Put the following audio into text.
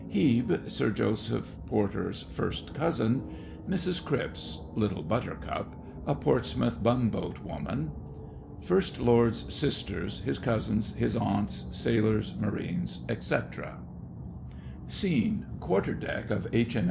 HEBE (Sir Joseph Porter's First Cousin). MRS. CRIPPS (LITTLE BUTTERCUP) (A Portsmouth Bumboat Woman). First Lord's Sisters, his Cousins, his Aunts, Sailors, Marines, etc. Scene: QUARTER DECK OF H.M.S.